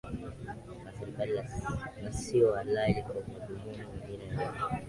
na serikali na sio halali kwa madhumuni mengine yoyote